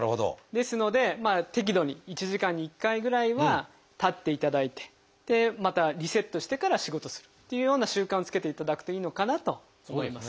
ですので適度に１時間に１回ぐらいは立っていただいてまたリセットしてから仕事するっていうような習慣をつけていただくといいのかなと思います。